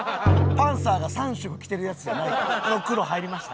パンサーが３色着てるやつじゃないから。の黒入りました？